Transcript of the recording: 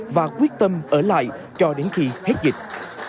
và quyết tâm ở lại cho đến khi hết dịch